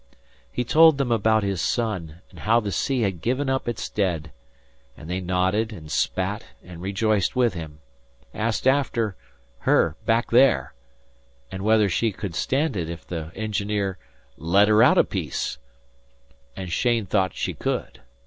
He told them about his son, and how the sea had given up its dead, and they nodded and spat and rejoiced with him; asked after "her, back there," and whether she could stand it if the engineer "let her out a piece," and Cheyne thought she could.